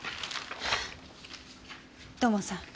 土門さん